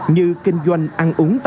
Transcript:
như kinh doanh ăn uống